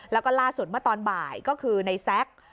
แล้วก็ล่าสุดเมื่อตอนบ่ายก็คือในแซ็ก